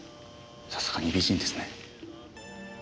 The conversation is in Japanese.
さすがに美人ですね。